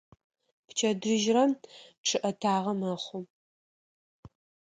Пчэдыжьрэ чъыӀэтагъэ мэхъу.